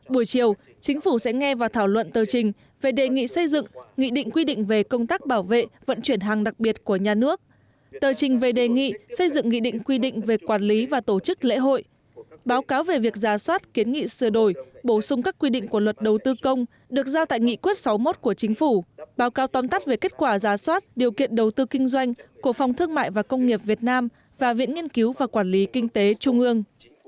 buổi chiều chính phủ sẽ nghe và thảo luận tờ trình về đề nghị xây dựng nghị định quy định về công tác bảo vệ vận chuyển hàng đặc biệt của nhà nước tờ trình về đề nghị xây dựng nghị định quy định về quản lý và tổ chức lễ hội báo cáo về việc giá soát kiến nghị sửa đổi bổ sung các quy định của luật đầu tư công được giao tại nghị quyết sáu mươi một của chính phủ báo cáo tóm tắt về kết quả giá soát điều kiện đầu tư kinh doanh của phòng thương mại và công nghiệp việt nam và viện nghiên cứu và quản lý kinh tế trung ương